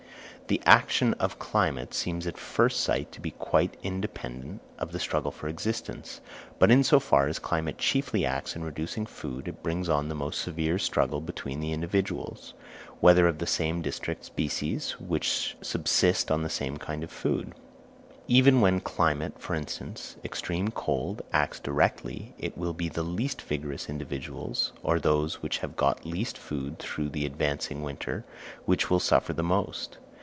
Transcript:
The action of climate seems at first sight to be quite independent of the struggle for existence; but in so far as climate chiefly acts in reducing food, it brings on the most severe struggle between the individuals, whether of the same or of distinct species, which subsist on the same kind of food. Even when climate, for instance, extreme cold, acts directly, it will be the least vigorous individuals, or those which have got least food through the advancing winter, which will suffer the most.